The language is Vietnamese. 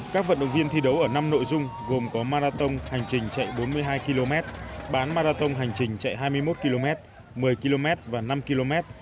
các vận động viên thi đấu ở năm nội dung gồm có marathon hành trình chạy bốn mươi hai km bán marathon hành trình chạy hai mươi một km một mươi km và năm km